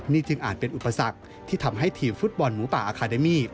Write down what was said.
นี่จึงอาจเป็นอุปสรรคที่ทำให้ทีมฟุตบอลหมูป่าอาคาเดมี่